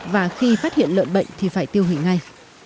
và khi phát hiện lợn bệnh thì phải tiêu hủy ngay